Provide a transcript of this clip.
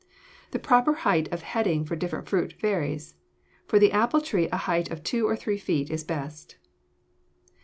The proper height of heading for different fruits varies. For the apple tree a height of two or three feet is best.